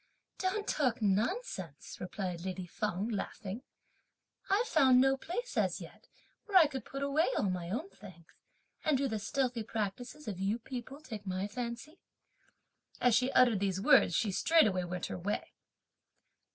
"Don't talk nonsense!" replied lady Feng laughing; "I've found no place, as yet, where I could put away all my own things; and do the stealthy practices of you people take my fancy?" As she uttered these words she straightway went her way.